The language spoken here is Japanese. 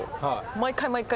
毎回毎回。